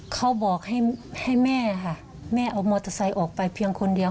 เขาบอกให้แม่ค่ะแม่เอามอเตอร์ไซค์ออกไปเพียงคนเดียว